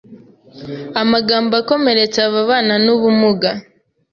Amagambo akomeretsa ababana n’ubumuga